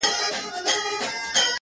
• ژوند مي د هوا په لاس کي وليدی ـ